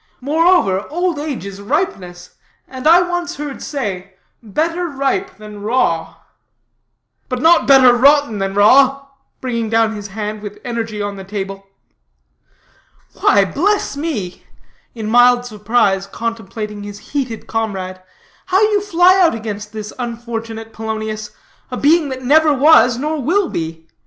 Moreover, old age is ripeness, and I once heard say, 'Better ripe than raw.'" "But not better rotten than raw!" bringing down his hand with energy on the table. "Why, bless me," in mild surprise contemplating his heated comrade, "how you fly out against this unfortunate Polonius a being that never was, nor will be.